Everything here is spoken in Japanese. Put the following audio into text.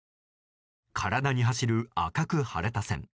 体に走る赤く腫れた線。